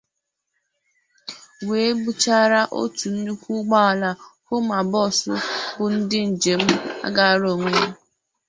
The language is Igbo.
wee búchárá otu nnukwu ụgbọala Họma Bọọsụ bu ndị njem agara onwe ya